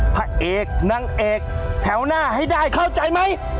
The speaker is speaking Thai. พระเอกนางเอกแถวหน้าให้ได้เข้าใจไหม